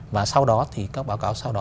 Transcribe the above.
và sau đó thì các báo cáo sau đó